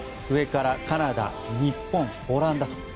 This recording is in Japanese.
上からカナダ、日本、オランダと。